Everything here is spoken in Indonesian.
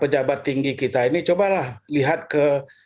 pejabat tinggi kita ini cobalah lihat ke